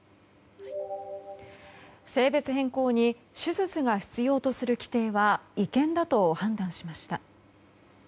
性別変更に手術が必要とする規定は違憲だと判断しました。